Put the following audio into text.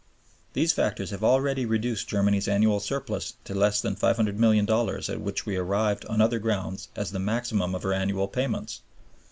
These factors have already reduced Germany's annual surplus to less than the $500,000,000 at which we arrived on other grounds as the maximum of her annual payments.